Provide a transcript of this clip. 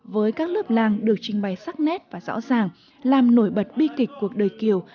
với các lớp làng được trình bày sắc nét và rõ ràng làm nổi bật bi kịch cuộc đời kiều